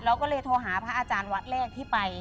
เราก็เลยโทรหาพระอาจารย์วัดแรกที่ไป